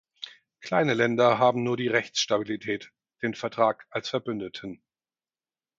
Kleine Länder haben nur die Rechtsstabilität, den Vertrag als Verbündeten.